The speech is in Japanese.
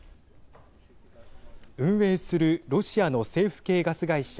運営するロシアの政府系ガス会社